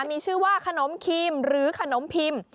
มีชื่อว่าขนมครีมหรือขนมพิมพ์